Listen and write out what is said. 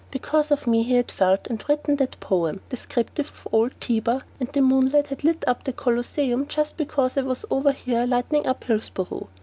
Because of me he had felt and written that poem descriptive of old Tiber, and the moonlight had lit up the Colosseum just because I was over here lighting up Hillsboro.